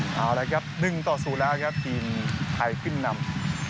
เอาละครับนึงต่อสู่แล้วครับทีมหายขึ้นลำ